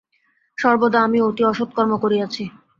সর্বদা আমি অতি অসৎ কর্ম করিয়াছি।